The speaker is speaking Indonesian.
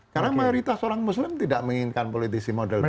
karena mayoritas orang muslim tidak menginginkan politisi model begini